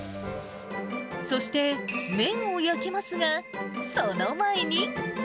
そして、麺を焼きますが、その前に。